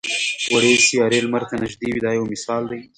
وړې سیارې لمر ته نږدې وي دا یو مثال دی.